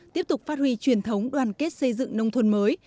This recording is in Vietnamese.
tiếp tục phát huy truyền thống đoàn kết xây dựng nông thôn mới